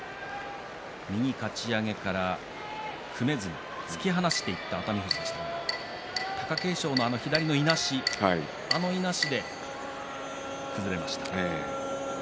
右かち上げから組めずに突き放していった熱海富士でしたが貴景勝のあの左のいなしあのいなしで崩れました。